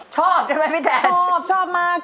ชอบใช่ไหมพี่แดงชอบชอบมาก